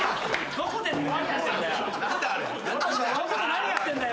・どこで何やってんだよ。